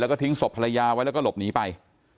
แล้วก็ทิ้งศพภรรยาไว้แล้วก็หลบหนีไป